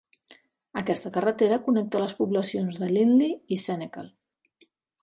Aquesta carretera connecta les poblacions de Lindley i Senekal.